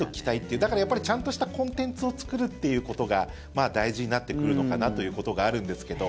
だから、やっぱりちゃんとしたコンテンツを作るということが大事になってくるのかなということがあるんですけど。